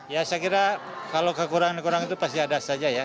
ya saya kira kalau kekurangan kekurangan itu pasti ada saja ya